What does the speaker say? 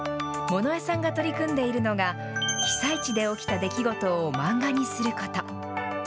物江さんが取り組んでいるのが、被災地で起きた出来事を漫画にすること。